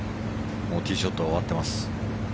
もうティーショットは終わっています。